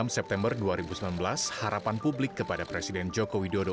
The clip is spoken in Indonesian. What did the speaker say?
enam september dua ribu sembilan belas harapan publik kepada presiden joko widodo